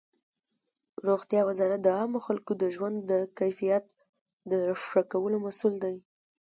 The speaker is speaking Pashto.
روغتیا وزارت د عامو خلکو د ژوند د کیفیت د ښه کولو مسؤل دی.